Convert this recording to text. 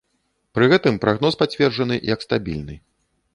Пры гэтым прагноз пацверджаны як стабільны.